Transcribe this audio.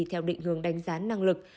theo định hướng đánh giá năng lực